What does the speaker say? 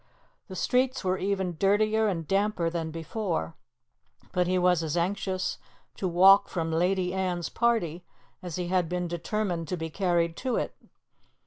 The streets were even dirtier and damper than before, but he was as anxious to walk from Lady Anne's party as he had been determined to be carried to it.